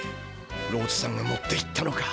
ローズさんが持っていったのか。